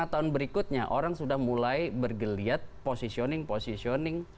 lima tahun berikutnya orang sudah mulai bergeliat positioning positioning